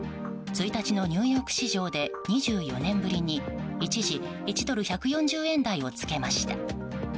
１日のニューヨーク市場で２４年ぶりに一時、１ドル＝１４０円台をつけました。